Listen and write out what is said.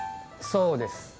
そうです。